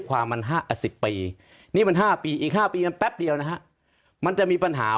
ความมัน๕๐ปีนี่มัน๕ปีอีก๕ปีมันแป๊บเดียวนะฮะมันจะมีปัญหา